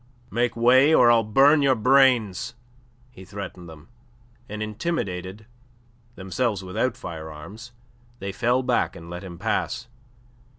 "Make way, or I'll burn your brains!" he threatened them, and intimidated, themselves without firearms, they fell back and let him pass.